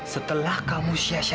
setelah kamu syasyakan dia